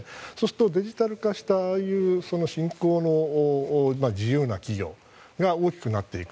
デジタル化したああいう新興の自由な企業が大きくなっていく。